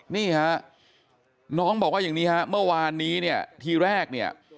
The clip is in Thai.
นี่ฮะน้องบอกว่าอย่างนี้ฮะเมื่อวานนี้เนี่ยทีแรกเนี่ย